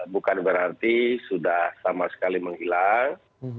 bukan berarti sudah sama sekali menghilang